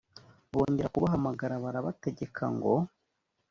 bongera kubahamagara barabategeka ngo